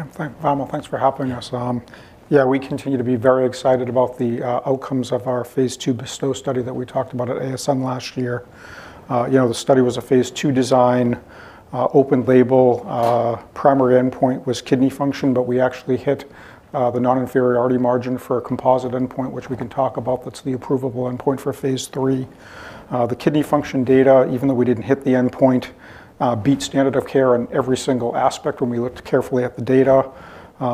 Yeah, thank Vamil, thanks for helping us. Yeah, we continue to be very excited about the outcomes of our phase II BESTOW study that we talked about at ASN last year. You know, the study was a phase II design, open label, primary endpoint was kidney function, but we actually hit the non-inferiority margin for a composite endpoint, which we can talk about. That's the approvable endpoint for phase III. The kidney function data, even though we didn't hit the endpoint, beat standard of care in every single aspect when we looked carefully at the data.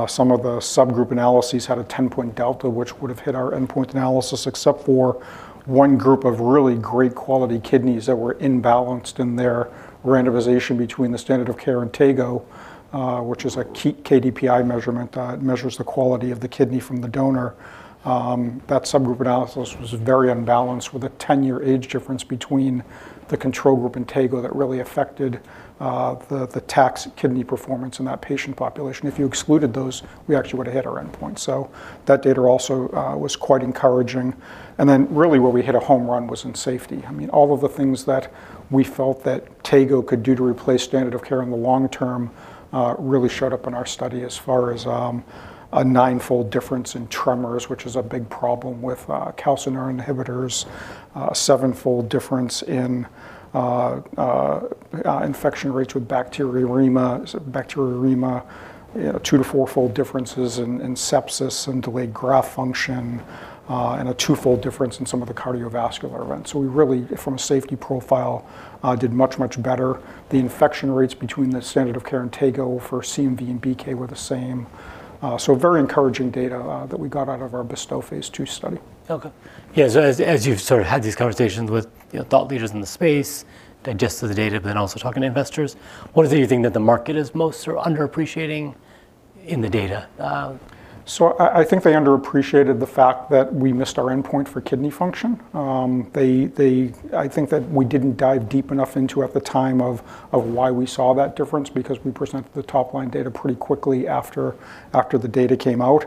Some of the subgroup analyses had a 10-point delta, which would have hit our endpoint analysis, except for one group of really great quality kidneys that were imbalanced in their randomization between the standard of care and tego, which is a KDPI measurement. It measures the quality of the kidney from the donor. That subgroup analysis was very unbalanced, with a 10-year age difference between the control group and tego that really affected the tac's kidney performance in that patient population. If you excluded those, we actually would've hit our endpoint. So that data also was quite encouraging. And then, really, where we hit a home run was in safety. I mean, all of the things that we felt that tego could do to replace standard of care in the long term, really showed up in our study as far as, a ninefold difference in tremors, which is a big problem with, calcineurin inhibitors, a sevenfold difference in, infection rates with bacteremia, so bacteremia. Two- to four-fold differences in, in sepsis and delayed graft function, and a twofold difference in some of the cardiovascular events. So we really, from a safety profile, did much, much better. The infection rates between the standard of care and tego for CMV and BK were the same. So very encouraging data, that we got out of our BESTOW phase II study. Okay. Yeah, so as, as you've sort of had these conversations with, you know, thought leaders in the space, digested the data, but then also talking to investors, what is it you think that the market is most underappreciating in the data? So I think they underappreciated the fact that we missed our endpoint for kidney function. They, I think that we didn't dive deep enough into, at the time, of why we saw that difference, because we presented the top line data pretty quickly after the data came out.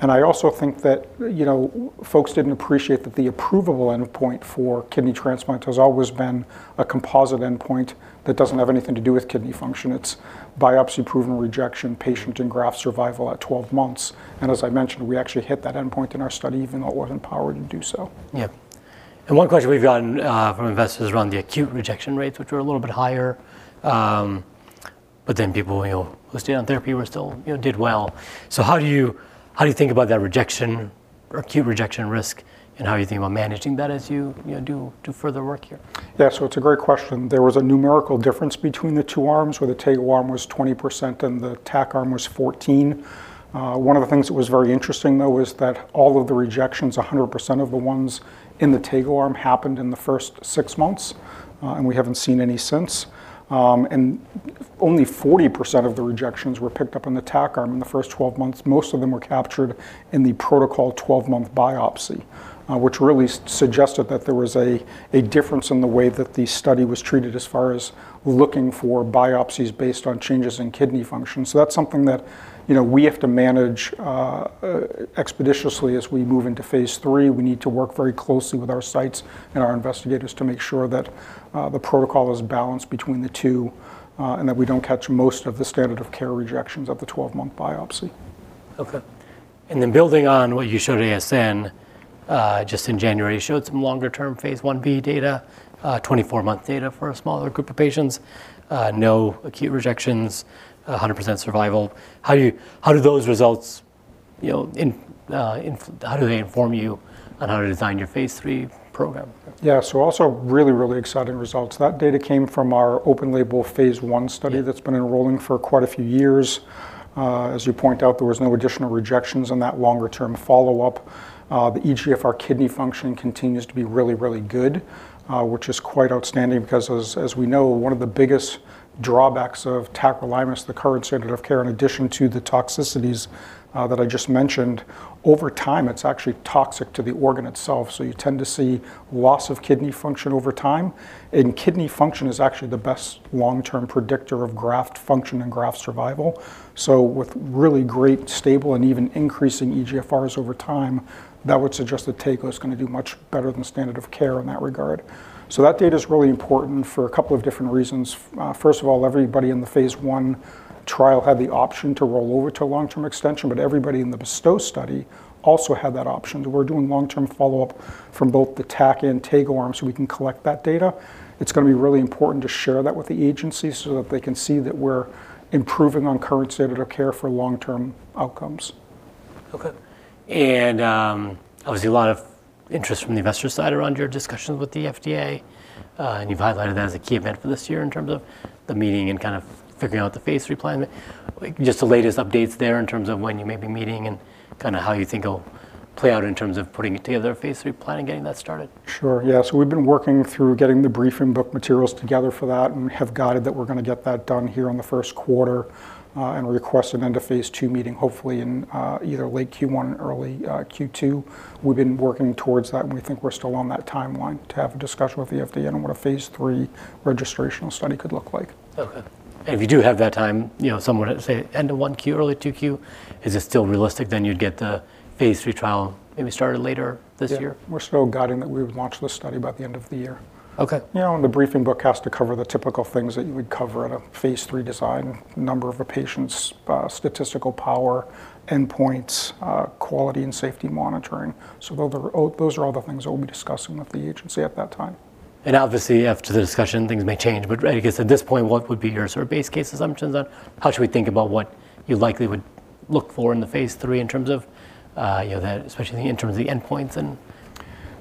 And I also think that, you know, folks didn't appreciate that the approvable endpoint for kidney transplant has always been a composite endpoint that doesn't have anything to do with kidney function. It's biopsy-proven rejection, patient and graft survival at 12 months. And as I mentioned, we actually hit that endpoint in our study, even though it wasn't powered to do so. Yeah. And one question we've gotten from investors around the acute rejection rates, which were a little bit higher, but then people, you know, who stayed on therapy were still, you know, did well. So how do you, how do you think about that rejection or acute rejection risk, and how are you thinking about managing that as you, you know, do, do further work here? Yeah. So it's a great question. There was a numerical difference between the two arms, where the tego arm was 20% and the tac arm was 14%. One of the things that was very interesting, though, was that all of the rejections, 100% of the ones in the tego arm, happened in the first 6 months, and we haven't seen any since. And only 40% of the rejections were picked up in the tac arm in the first 12 months. Most of them were captured in the protocol 12-month biopsy, which really suggested that there was a difference in the way that the study was treated as far as looking for biopsies based on changes in kidney function. So that's something that, you know, we have to manage expeditiously as we move into phase III. We need to work very closely with our sites and our investigators to make sure that, the protocol is balanced between the two, and that we don't catch most of the standard of care rejections at the 12-month biopsy. Okay. And then building on what you showed ASN, just in January, you showed some longer-term phase Ib data, 24-month data for a smaller group of patients. No acute rejections, 100% survival. How do you- how do those results, you know, in, how do they inform you on how to design your phase III program? Yeah. So also really, really exciting results. That data came from our open-label phase I study- Yeah... that's been enrolling for quite a few years. As you point out, there was no additional rejections on that longer term follow-up. The eGFR kidney function continues to be really, really good, which is quite outstanding, because as, as we know, one of the biggest drawbacks of tacrolimus, the current standard of care, in addition to the toxicities that I just mentioned, over time, it's actually toxic to the organ itself, so you tend to see loss of kidney function over time. And kidney function is actually the best long-term predictor of graft function and graft survival. So with really great, stable, and even increasing eGFRs over time, that would suggest that tego is gonna do much better than standard of care in that regard. So that data is really important for a couple of different reasons. First of all, everybody in the phase I trial had the option to roll over to a long-term extension, but everybody in the BESTOW study also had that option. We're doing long-term follow-up from both the tac and tego arms, so we can collect that data. It's gonna be really important to share that with the agency, so that they can see that we're improving on current standard of care for long-term outcomes. Okay. And, obviously, a lot of interest from the investor side around your discussions with the FDA, and you've highlighted that as a key event for this year in terms of the meeting and kind of figuring out the phase III plan. Just the latest updates there, in terms of when you may be meeting and kind of how you think it'll play out in terms of putting together a phase III plan and getting that started. Sure. Yeah. So we've been working through getting the briefing book materials together for that, and have guided that we're gonna get that done here in the first quarter, and request an end-of-phase II meeting, hopefully in either late Q1 or early Q2. We've been working towards that, and we think we're still on that timeline to have a discussion with the FDA on what a phase III registrational study could look like. Okay. If you do have that time, you know, some would say end of 1Q, early 2Q, is it still realistic, then, you'd get the Phase Three trial maybe started later this year? Yeah, we're still guiding that we would launch the study by the end of the year. Okay. You know, and the briefing book has to cover the typical things that you would cover at a phase III design: number of patients, statistical power, endpoints, quality and safety monitoring. So those are, those are all the things that we'll be discussing with the agency at that time.... And obviously, after the discussion, things may change. But, I guess, at this point, what would be your sort of base case assumptions on how should we think about what you likely would look for in the Phase III in terms of, you know, the, especially in terms of the endpoints and-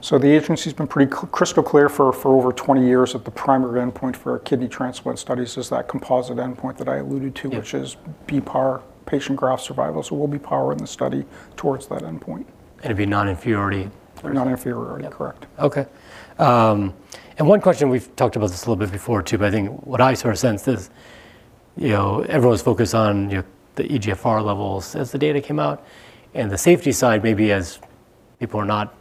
So the agency's been pretty crystal clear for over 20 years that the primary endpoint for our kidney transplant studies is that composite endpoint that I alluded to- Yeah which is PPAR, patient graft survival. So we'll be powering the study towards that endpoint. It'd be non-inferiority? Non-inferiority. Yeah. Correct. Okay. And one question, we've talked about this a little bit before, too, but I think what I sort of sense is, you know, everyone's focused on your, the eGFR levels as the data came out, and the safety side, maybe as people are not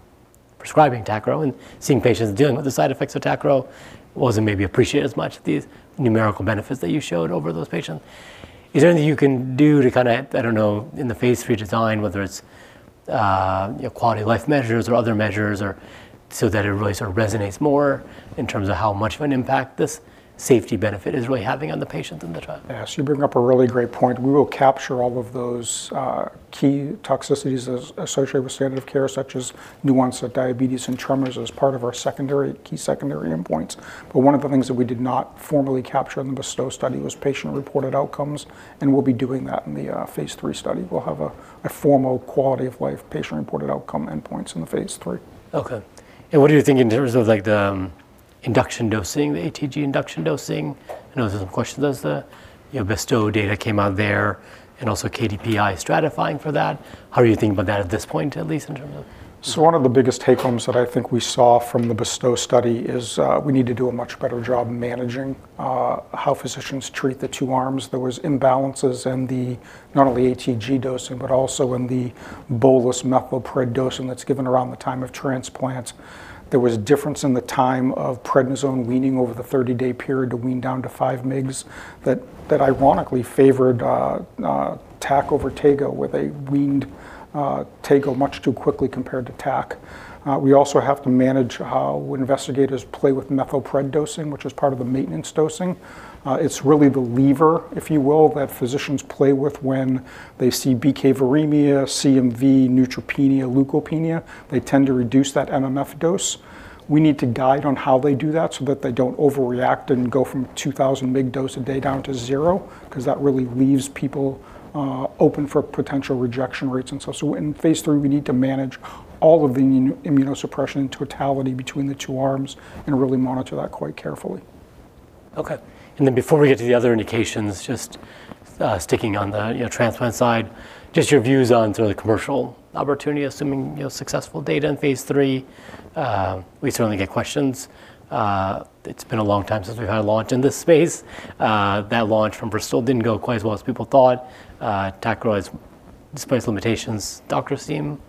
prescribing Tacro and seeing patients dealing with the side effects of Tacro, wasn't maybe appreciated as much, these numerical benefits that you showed over those patients. Is there anything you can do to kinda, I don't know, in the phase III design, whether it's, you know, quality of life measures or other measures or, so that it really sort of resonates more in terms of how much of an impact this safety benefit is really having on the patients in the trial? Yes, you bring up a really great point. We will capture all of those key toxicities associated with standard of care, such as new onset diabetes and tremors, as part of our secondary, key secondary endpoints. But one of the things that we did not formally capture in the BESTOW study was patient-reported outcomes, and we'll be doing that in the phase III study. We'll have a formal quality of life, patient-reported outcome endpoints in the phase III. Okay. And what do you think in terms of, like, the induction dosing, the ATG induction dosing? I know there's some questions as the, you know, BESTOW data came out there and also KDPI stratifying for that. How do you think about that at this point, at least in terms of- One of the biggest take-homes that I think we saw from the BESTOW study is we need to do a much better job managing how physicians treat the two arms. There was imbalances in the not only ATG dosing, but also in the bolus methylpred dosing that's given around the time of transplant. There was a difference in the time of prednisone weaning over the 30-day period to wean down to 5 mg, that ironically favored TAC over tego, where they weaned tego much too quickly compared to TAC. We also have to manage how investigators play with methylpred dosing, which is part of the maintenance dosing. It's really the lever, if you will, that physicians play with when they see BK viremia, CMV, neutropenia, leukopenia. They tend to reduce that MMF dose. We need to guide on how they do that so that they don't overreact and go from 2,000 mg dose a day down to zero, 'cause that really leaves people open for potential rejection rates and so in Phase III, we need to manage all of the immunosuppression in totality between the two arms and really monitor that quite carefully. Okay. Then before we get to the other indications, just sticking on the, you know, transplant side, just your views on sort of the commercial opportunity, assuming, you know, successful data in phase III. We certainly get questions. It's been a long time since we've had a launch in this space. That launch from Bristol didn't go quite as well as people thought. Tac has despite limitations. Doctors seem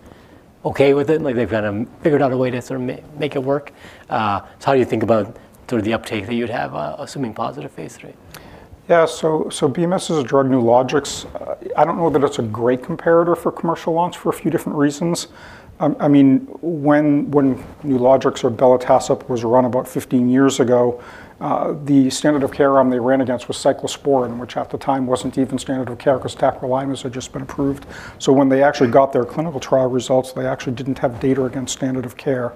okay with it, like they've kind of figured out a way to sort of make it work. So how do you think about sort of the uptake that you'd have, assuming positive phase III? Yeah, so BMS is a drug, Nulojix. I don't know that it's a great comparator for commercial launch for a few different reasons. I mean, when Nulojix or belatacept was run about 15 years ago, the standard of care arm they ran against was cyclosporine, which at the time wasn't even standard of care because tacrolimus had just been approved. So when they actually got their clinical trial results, they actually didn't have data against standard of care.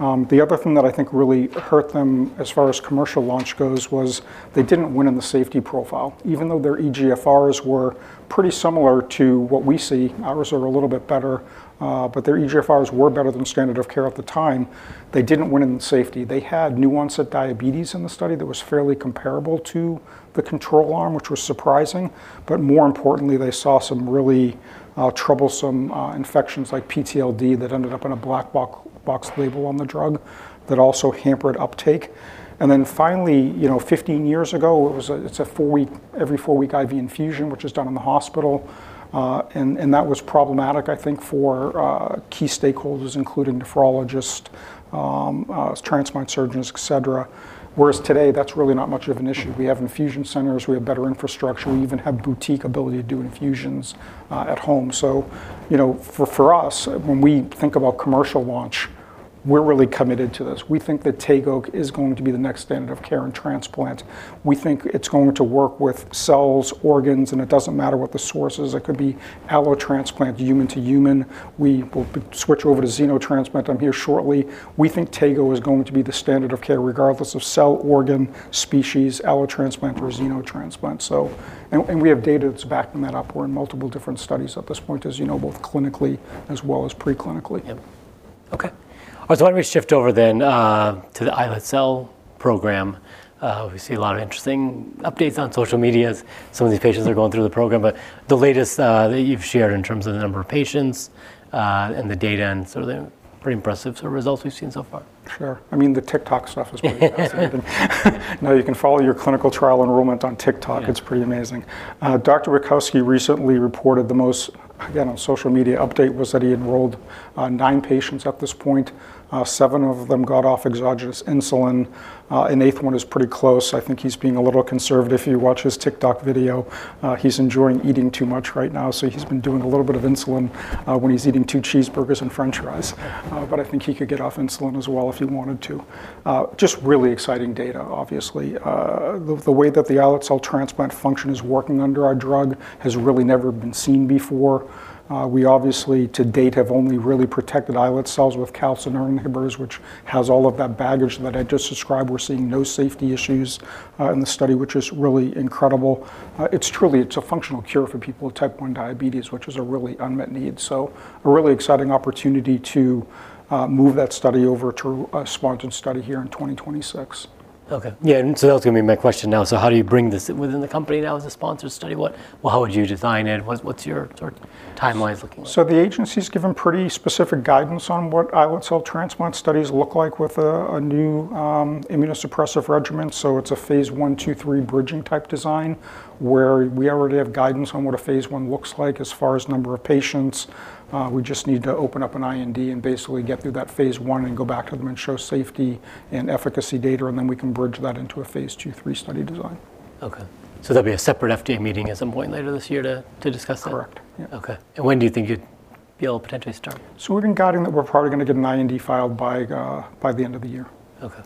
The other thing that I think really hurt them, as far as commercial launch goes, was they didn't win in the safety profile. Even though their eGFRs were pretty similar to what we see, ours are a little bit better, but their eGFRs were better than standard of care at the time, they didn't win in safety. They had new onset diabetes in the study that was fairly comparable to the control arm, which was surprising. But more importantly, they saw some really troublesome infections like PTLD that ended up in a black box label on the drug that also hampered uptake. And then finally, you know, 15 years ago, it was a four-week, every four-week IV infusion, which is done in the hospital. And that was problematic, I think, for key stakeholders, including nephrologists, transplant surgeons, et cetera. Whereas today, that's really not much of an issue. We have infusion centers, we have better infrastructure, we even have boutique ability to do infusions at home. So, you know, for us, when we think about commercial launch, we're really committed to this. We think that tego is going to be the next standard of care in transplant. We think it's going to work with cells, organs, and it doesn't matter what the source is. It could be allotransplant, human to human. We will switch over to xenotransplant on here shortly. We think tego is going to be the standard of care, regardless of cell, organ, species, allotransplant or xenotransplant, so... And we have data that's backing that up. We're in multiple different studies at this point, as you know, both clinically as well as pre-clinically. Yep. Okay. All right, so why don't we shift over then to the islet cell program? We see a lot of interesting updates on social media as some of these patients are going through the program, but the latest that you've shared in terms of the number of patients and the data, and sort of the pretty impressive sort of results we've seen so far. Sure. I mean, the TikTok stuff is pretty fascinating. Now you can follow your clinical trial enrollment on TikTok- Yeah... it's pretty amazing. Dr. Rutkowski recently reported the most recent social media update was that he enrolled 9 patients at this point. Seven of them got off exogenous insulin. An eighth one is pretty close. I think he's being a little conservative. If you watch his TikTok video, he's enjoying eating too much right now, so he's been doing a little bit of insulin when he's eating 2 cheeseburgers and french fries. But I think he could get off insulin as well if he wanted to. Just really exciting data, obviously. The way that the islet cell transplant function is working under our drug has really never been seen before. We obviously, to date, have only really protected islet cells with calcineurin inhibitors, which has all of that baggage that I just described. We're seeing no safety issues in the study, which is really incredible. It's truly, it's a functional cure for people with Type 1 diabetes, which is a really unmet need. So a really exciting opportunity to move that study over to a sponsored study here in 2026. Okay. Yeah, and so that was gonna be my question now. So how do you bring this within the company now as a sponsored study? What, well, how would you design it? What, what's your sort of timeline looking like? The agency's given pretty specific guidance on what islet cell transplant studies look like with a, a new, immunosuppressive regimen. It's a phase I,II, III bridging-type design, where we already have guidance on what a phase I looks like as far as number of patients. We just need to open up an IND and basically get through that phase I and go back to them and show safety and efficacy data, and then we can bridge that into a phase II, 3 study design. Okay, so there'll be a separate FDA meeting at some point later this year to discuss that? Correct. Yeah. Okay. When do you think you'd be able to potentially start? We're working on guidance, and we're probably gonna get an IND filed by the end of the year. Okay.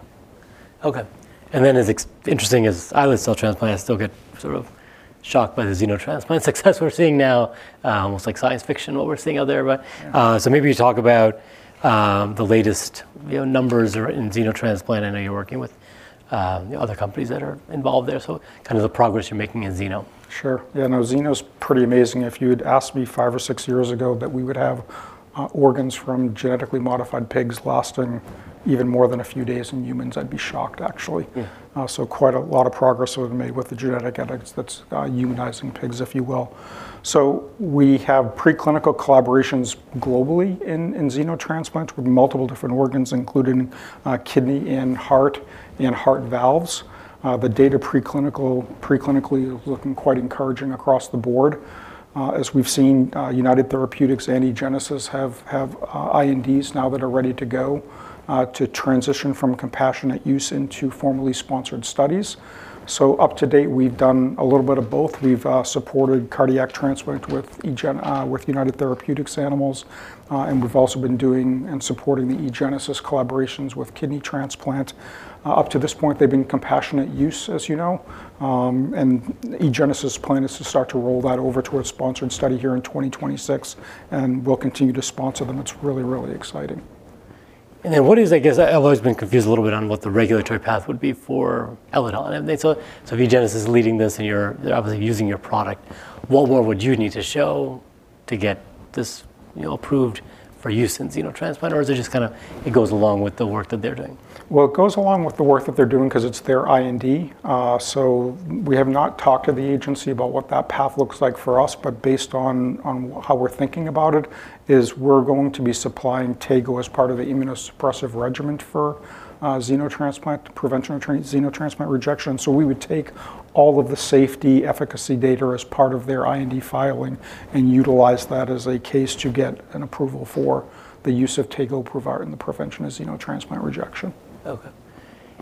Okay, and then as interesting as islet cell transplants, I still get sort of shocked by the xenotransplant success we're seeing now. Almost like science fiction, what we're seeing out there, but- Yeah. Maybe you talk about the latest, you know, numbers in xenotransplant. I know you're working with other companies that are involved there, so kind of the progress you're making in xeno. Sure, yeah, no, xeno's pretty amazing. If you'd asked me five or six years ago that we would have organs from genetically modified pigs lasting even more than a few days in humans, I'd be shocked, actually. Yeah. So quite a lot of progress we've made with the genetic edits that's humanizing pigs, if you will. So we have preclinical collaborations globally in xenotransplants with multiple different organs, including kidney and heart and heart valves. The data preclinically is looking quite encouraging across the board. As we've seen, United Therapeutics and eGenesis have INDs now that are ready to go to transition from a compassionate use into formally sponsored studies. So up to date, we've done a little bit of both. We've supported cardiac transplant with United Therapeutics animals, and we've also been doing and supporting the eGenesis collaborations with kidney transplant. Up to this point, they've been compassionate use, as you know, and eGenesis' plan is to start to roll that over towards sponsored study here in 2026, and we'll continue to sponsor them. It's really, really exciting. Then, what is... I guess I've always been confused a little bit on what the regulatory path would be for eGenesis. So, so if eGenesis is leading this, and you're obviously using your product, what more would you need to show to get this, you know, approved for use in xenotransplant? Or is it just kinda, it goes along with the work that they're doing? Well, it goes along with the work that they're doing 'cause it's their IND. So we have not talked to the agency about what that path looks like for us, but based on how we're thinking about it, is we're going to be supplying tego as part of the immunosuppressive regimen for xenotransplant to prevention of xenotransplant rejection. So we would take all of the safety efficacy data as part of their IND filing and utilize that as a case to get an approval for the use of tego, and the prevention is xenotransplant rejection. Okay,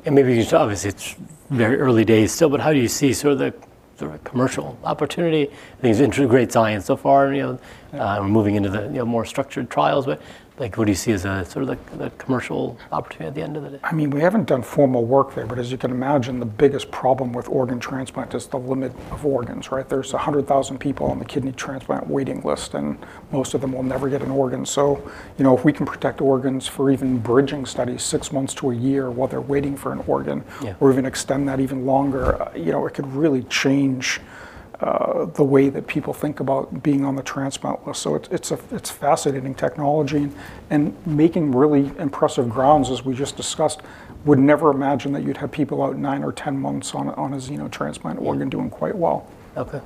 and maybe you saw, obviously, it's very early days still, but how do you see sort of the commercial opportunity? I think it's integrated science so far, you know, Yeah... moving into the more structured trials. But, like, what do you see as sort of the commercial opportunity at the end of the day? I mean, we haven't done formal work there, but as you can imagine, the biggest problem with organ transplant is the limit of organs, right? There's 100,000 people on the kidney transplant waiting list, and most of them will never get an organ. So, you know, if we can protect organs for even bridging studies, 6 months to a year, while they're waiting for an organ- Yeah... or even extend that even longer, you know, it could really change the way that people think about being on the transplant list. So it's a fascinating technology and making really impressive grounds, as we just discussed. Would never imagine that you'd have people out nine or 10 months on a xenotransplant organ- Yeah... doing quite well. Okay.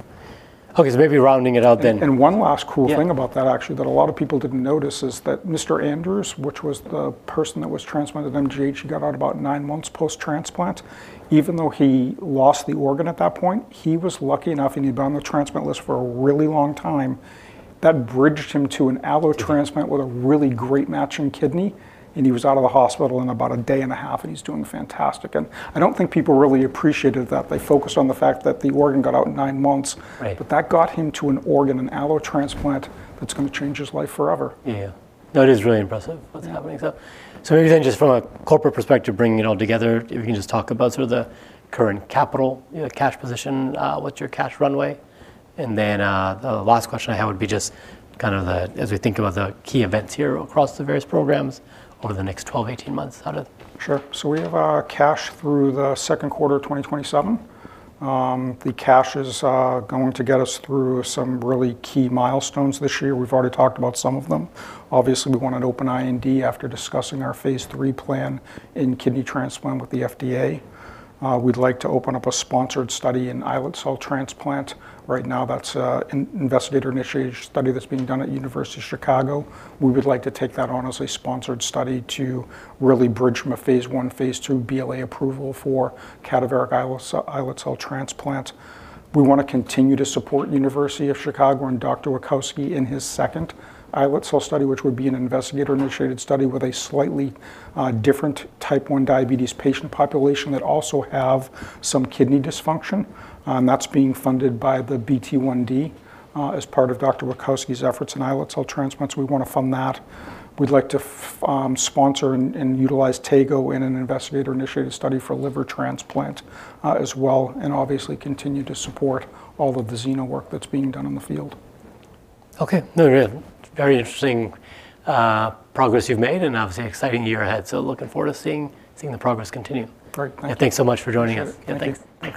Okay, so maybe rounding it out then- One last cool thing- Yeah... about that, actually, that a lot of people didn't notice is that Mr. Andrews, which was the person that was transplanted MGH, he got out about nine months post-transplant. Even though he lost the organ at that point, he was lucky enough, and he'd been on the transplant list for a really long time. That bridged him to an allo transplant with a really great matching kidney, and he was out of the hospital in about a day and a half, and he's doing fantastic. And I don't think people really appreciated that. They focused on the fact that the organ got out in nine months. Right. But that got him to an organ, an allo transplant, that's gonna change his life forever. Yeah. That is really impressive- Yeah... what's happening. So, so maybe then, just from a corporate perspective, bringing it all together, if you can just talk about sort of the current capital, the cash position, what's your cash runway? And then, the last question I have would be just kind of the, as we think about the key events here across the various programs over the next 12, 18 months, how did- Sure. So we have cash through the second quarter of 2027. The cash is going to get us through some really key milestones this year. We've already talked about some of them. Obviously, we want to open IND after discussing our phase III plan in kidney transplant with the FDA. We'd like to open up a sponsored study in islet cell transplant. Right now, that's an investigator-initiated study that's being done at University of Chicago. We would like to take that on as a sponsored study to really bridge from a phase I, phase II BLA approval for cadaveric islet cell transplant. We wanna continue to support University of Chicago and Dr. Wakoski in his second islet cell study, which would be an investigator-initiated study with a slightly different Type 1 diabetes patient population that also have some kidney dysfunction. That's being funded by the BT-1D, as part of Dr. Wakoski's efforts in islet cell transplants. We wanna fund that. We'd like to sponsor and utilize tego in an investigator-initiated study for liver transplant, as well, and obviously continue to support all of the xeno work that's being done in the field. Okay. No, yeah, very interesting progress you've made and obviously exciting year ahead, so looking forward to seeing the progress continue. Perfect. Thanks so much for joining us. Sure. Yeah, thanks. Thank you.